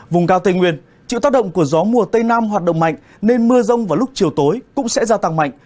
vùng cao tây nguyên chịu tác động của gió mùa tây nam hoạt động mạnh nên mưa rông vào lúc chiều tối cũng sẽ gia tăng mạnh